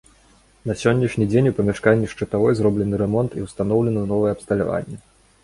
На сённяшні дзень у памяшканні шчытавой зроблены рамонт і ўстаноўлена новае абсталяванне.